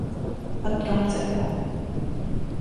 不甘寂寞